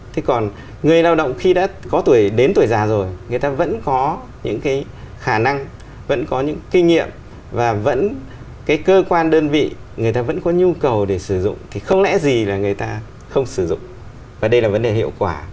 thế còn người lao động khi đã có tuổi đến tuổi già rồi người ta vẫn có những cái khả năng vẫn có những kinh nghiệm và vẫn cái cơ quan đơn vị người ta vẫn có nhu cầu để sử dụng thì không lẽ gì là người ta không sử dụng và đây là vấn đề hiệu quả